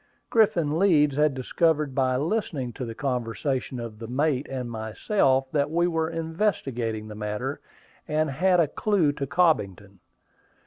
Griffin Leeds had discovered by listening to the conversation of the mate and myself, that we were investigating the matter, and had a clue to Cobbington.